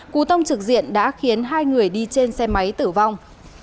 cú tông trực diện đã khiến hai người đi trên xe máy tử vong